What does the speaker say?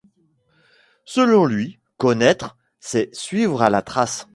Selon lui, connaître, c'est suivre à la trace.